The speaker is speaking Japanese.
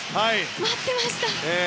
待ってました！